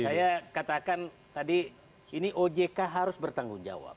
saya katakan tadi ini ojk harus bertanggung jawab